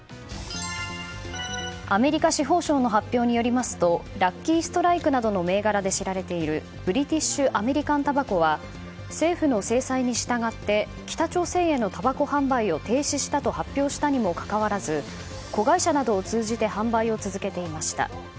アメリカ司法省の発表によりますとラッキー・ストライクなどの銘柄で知られているブリティッシュ・アメリカン・タバコは政府の制裁に従って北朝鮮へのたばこ販売を停止したと発表したにもかかわらず子会社などを通じて販売を続けていました。